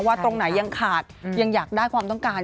ตรงไหนยังขาดยังอยากได้ความต้องการ